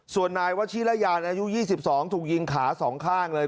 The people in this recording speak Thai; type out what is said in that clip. ส่วนนายวชิระยานอายุ๒๒ถูกยิงขา๒ข้างเลย